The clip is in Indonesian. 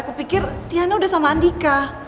aku pikir tiana udah sama andika